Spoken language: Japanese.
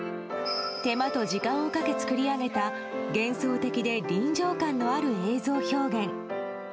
手間と時間をかけ作り上げた幻想的で臨場感のある映像表現。